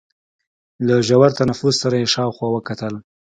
له ژور تنفس سره يې شاوخوا وکتل.